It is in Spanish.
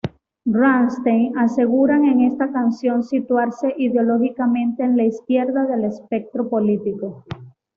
Rammstein aseguran en esta canción situarse ideológicamente en la izquierda del espectro político.